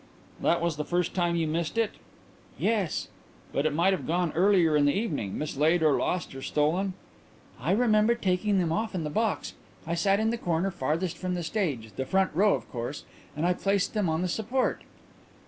"That was the first time you missed it?" "Yes." "But it might have gone earlier in the evening mislaid or lost or stolen?" "I remember taking them off in the box. I sat in the corner farthest from the stage the front row, of course and I placed them on the support."